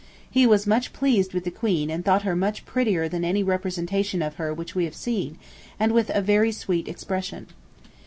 He was much pleased with the Queen and thought her much prettier than any representation of her which we have seen, and with a very sweet expression.